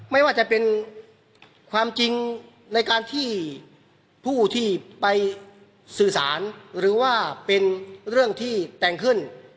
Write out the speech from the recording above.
ไม่ว่าจะเป็นความจริงในการที่ผู้ที่ไปสื่อสารหรือว่าเป็นเรื่องที่แต่งขึ้น